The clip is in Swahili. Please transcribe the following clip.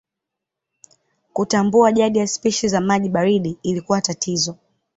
Kutambua jadi ya spishi za maji baridi ilikuwa tatizo.